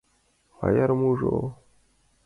— «Аярмужо».